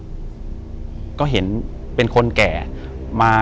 กุมารพายคือเหมือนกับว่าเขาจะมีอิทธิฤทธิ์ที่เยอะกว่ากุมารทองธรรมดา